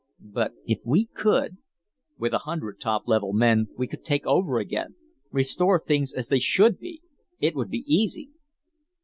But if we could " "With a hundred top level men, we could take over again, restore things as they should be! It would be easy!"